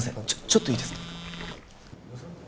ちょっといいですか？